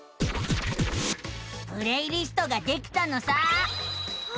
プレイリストができたのさあ。